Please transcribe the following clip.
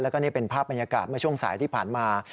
แล้วก็นี่เป็นภาพบรรยากาศเมื่อช่วงสายที่ผ่านมา